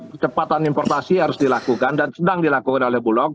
kecepatan importasi harus dilakukan dan sedang dilakukan oleh bulog